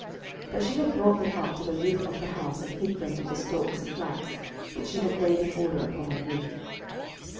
06:002:006 But she had brought them up to the roof of the house, and hid them with the stalks of flax, which she had laid in order upon the roof.